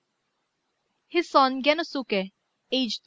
"His son, Gennosuké, aged 13.